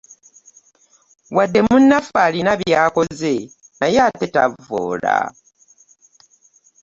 Wadde munnaffe alina by'akoze naye ate tavvoola.